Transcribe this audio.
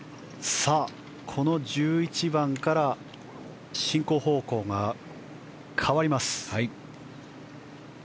さあ、この１１番から進行方向が変わります。